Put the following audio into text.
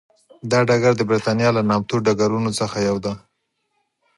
دا ډګر د برېتانیا له نامتو ډګرونو څخه یو دی.